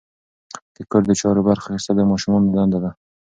د کور د چارو برخه اخیستل د ماشومانو دنده ده.